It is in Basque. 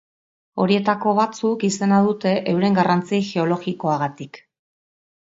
Horietako batzuk izena dute euren garrantzi geologikoagatik.